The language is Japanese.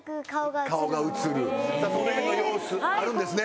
そのへんの様子あるんですね？